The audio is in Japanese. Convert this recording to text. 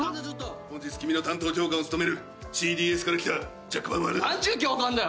本日君の担当教官を務めるＣＤＳから来たジャック・バウアーだ。